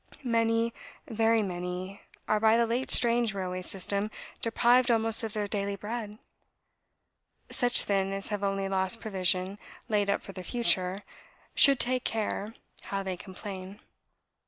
Many, very many, are by the late strange railway system deprived almost of their daily bread. Such then as have only lost provision laid up for the future, should take care how they complain.